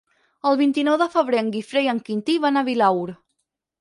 El vint-i-nou de febrer en Guifré i en Quintí van a Vilaür.